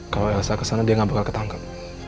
kalau elsa kesana dia gak bakal ketangkap